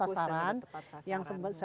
bantuan langsung juga tepat sasaran